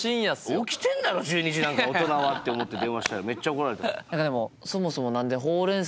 「起きてんだろ１２時なんか大人は」って思って電話したらめっちゃ怒られた。